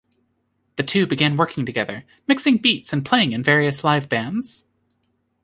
The two began working together, mixing beats and playing in various live bands.